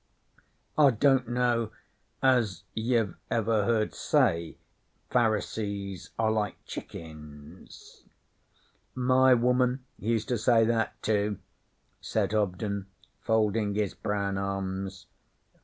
I don't know as you've ever heard say Pharisees are like chickens?' 'My woman used to say that too,' said Hobden, folding his brown arms.